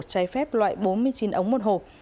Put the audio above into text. cháy phép loại bốn mươi chín ống một hộp